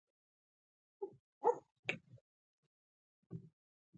هېواد د نړیوال درناوي هیله لري.